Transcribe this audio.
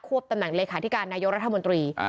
บตำแหน่งเลขาธิการนายกรัฐมนตรี